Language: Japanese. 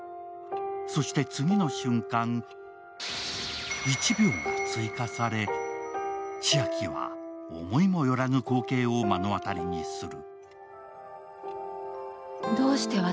そして次の瞬間、１秒が追加され、千晶は思いもよらぬ光景を目の当たりにする。